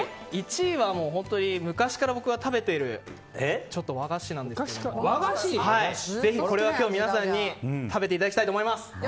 １位は、昔から僕が食べている和菓子なんですけれどもぜひ、これは今日皆さんに食べていただきたいと思います。